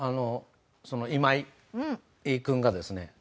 そのイマイ君がですね